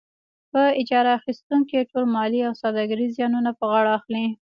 په اجاره اخیستونکی ټول مالي او سوداګریز زیانونه په غاړه اخلي.